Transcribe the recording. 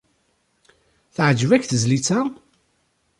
Teεǧeb-ak tezlit-a?